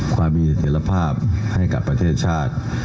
ความมีเสถียรภาพให้กับประเทศชาติ